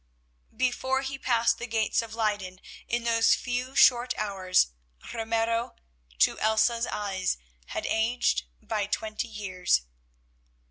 Before he passed the gates of Leyden, in those few short hours, Ramiro, to Elsa's eyes, had aged by twenty years.